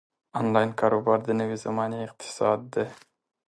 انلاین کاروبار د نوې زمانې اقتصاد دی.